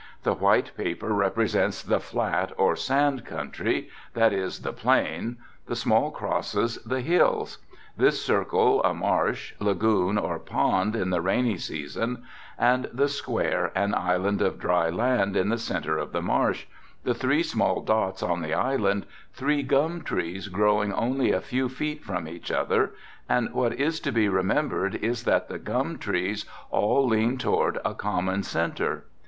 The white paper represents the flat or sand country, that is the plain, the small crosses the hills, this circle a marsh, lagoon or pond in the rainy season and the square an island of dry land in the centre of the marsh, the three small dots on the island, three gum trees growing only a few feet from each other and what is to be remembered is that the gum trees all lean toward a common centre.